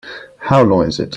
How long is it?